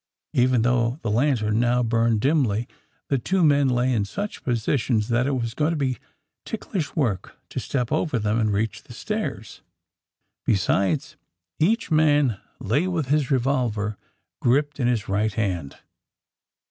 Even though the lantern now burned dimly the two men lay in such positions that it was going to be ticklish work to step over them and reach the stairs. Besides, each man lay with his revolver gripped in his right hand.